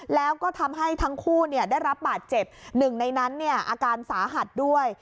แล้วก็ทำให้ทั้งคู่ได้รับบาดเจ็บหนึ่งในนั้นอาการสาหัสด้วย